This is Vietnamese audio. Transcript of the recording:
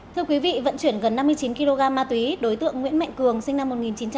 thưa quý vị vận chuyển gần năm mươi chín kg ma túy đối tượng nguyễn mạnh cường sinh năm một nghìn chín trăm tám mươi